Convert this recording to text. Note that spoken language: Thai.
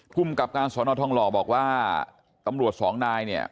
ภูมิกับการสอนอทองหล่อบอกว่าตำรวจสองนายเนี่ย